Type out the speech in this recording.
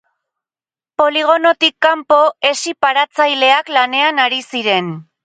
Poligonotik kanpo, hesi paratzaileak lanean ari ziren.